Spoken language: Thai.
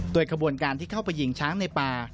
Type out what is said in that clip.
โดยขบวนการที่เข้าไปยิงช้างในป่า